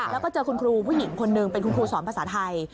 แล้วก็เจอคุณครูผู้หญิงคนหนึ่งเป็นคุณครูสอนภาษาไทย